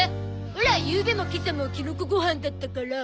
オラゆうべも今朝もキノコご飯だったから。